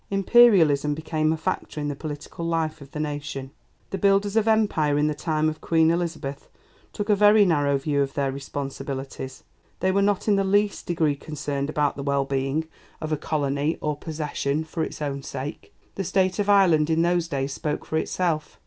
Imperialism became a factor in the political life of the nation. The builders of Empire in the time of Queen Elizabeth took a very narrow view of their responsibilities; they were not in the least degree concerned about the well being of a colony or possession for its own sake. The state of Ireland in those days spoke for itself.